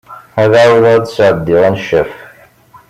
Ad ɛawdeɣ ad d-sɛeddiɣ aneccaf.